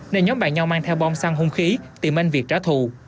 nên nhóm bạn nhau mang theo bong xăng hung khí tìm anh việt trả thù